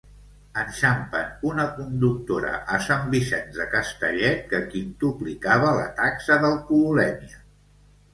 Enxampen una conductora a Sant Vicenç de Castellet que quintuplicava la taxa d'alcoholèmia.